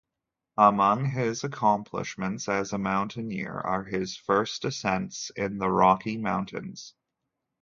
Among his accomplishments as a mountaineer are his first ascents in the Rocky Mountains.